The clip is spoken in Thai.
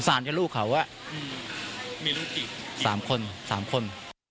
สงสารที่ลูกเขาอะสามคนสามคน